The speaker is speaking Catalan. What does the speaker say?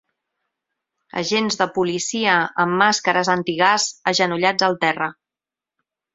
Agents de policia amb màscares anti-gas agenollats al terra